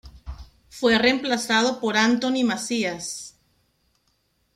Fue reemplazado por Anthony Macias.